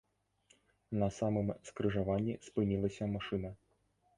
На самым скрыжаванні спынілася машына.